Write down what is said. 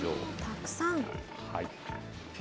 たくさん。